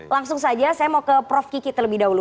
langsung saja saya mau ke prof kiki terlebih dahulu